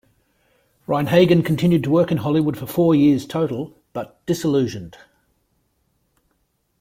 Rein-Hagen continued to work in Hollywood for four years total, but disillusioned.